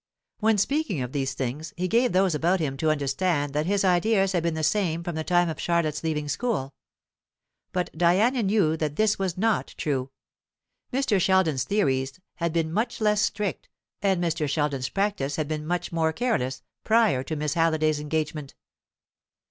When speaking of these things he gave those about him to understand that his ideas had been the same from the time of Charlotte's leaving school; but Diana knew that this was not true. Mr. Sheldon's theories had been much less strict, and Mr. Sheldon's practice had been much more careless, prior to Miss Halliday's engagement.